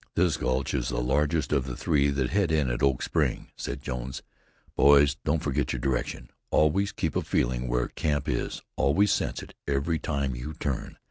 "This gulch is the largest of the three that head in at Oak Spring," said Jones. "Boys, don't forget your direction. Always keep a feeling where camp is, always sense it every time you turn.